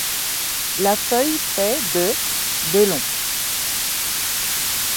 La feuille fait de de long.